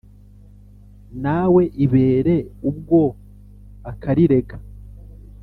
nawe ibere ubwo akarirega